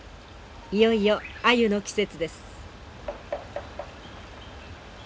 いよいよアユの季節です。